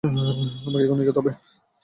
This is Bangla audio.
আমাকে এখনই যেতে হবে।